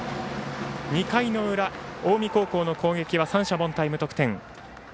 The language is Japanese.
２回の裏、近江高校の攻撃は三者凡退で無得点。